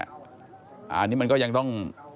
อันนี้มันก็ยังต้อง